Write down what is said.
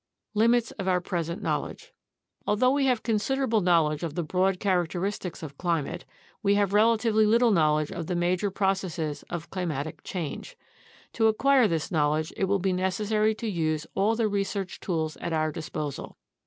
LIMITS OF OUR PRESENT KNOWLEDGE Although we have considerable knowledge of the broad characteristics of climate, we have relatively little knowledge of the major processes of climatic change. To acquire this knowledge it will be necessary to use all the research tools at our disposal.